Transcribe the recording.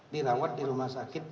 dirawat di rumah sakit